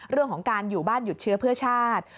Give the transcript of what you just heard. เรื่องของการอยู่บ้านหยุดเชื้อเพื่อชาติ